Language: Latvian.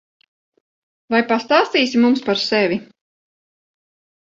Vai pastāstīsi mums par sevi?